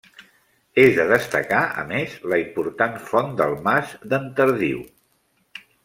És de destacar, a més, la important Font del Mas d'en Tardiu.